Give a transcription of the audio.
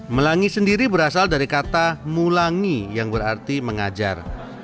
melangi sendiri berasal dari kata mulangi yang berarti mengajar